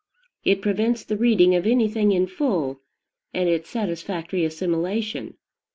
It prevents the reading of anything in full, and its satisfactory assimilation.